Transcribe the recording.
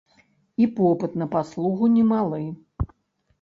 І попыт на паслугу немалы.